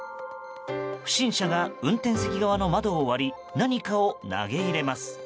不審者が運転席側の窓を割り何かを投げ入れます。